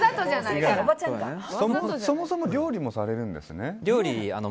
そもそも料理もされるんですね。